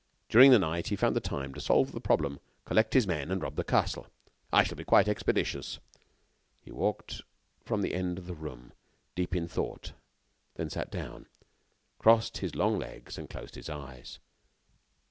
During the night, he found time to solve the problem, collect his men, and rob the castle. I shall be quite as expeditious." He walked from end to end of the room, in deep thought, then sat down, crossed his long legs and closed his eyes.